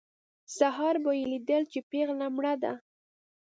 سهار به یې لیدل چې پېغله مړه ده.